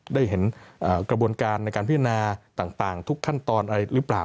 ได้เห็นกระบวนการในการพิจารณาต่างทุกขั้นตอนอะไรหรือเปล่า